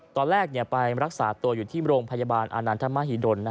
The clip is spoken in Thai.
ตอนแรกไปรักษาตัวอยู่ที่โรงพยาบาลอานันทมหิดล